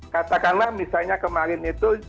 katakanlah misalnya kemarin itu